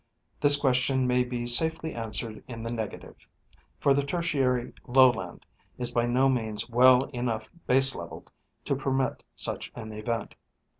This question may be safely answered in the negative ; for the Tertiary lowland is by no means well enough baselevelled to permit such an event.